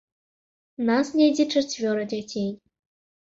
Нас недзе чацвёра дзяцей.